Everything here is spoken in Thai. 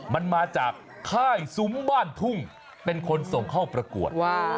มันมาจากค่ายซุ้มบ้านทุ่งเป็นคนส่งเข้าประกวด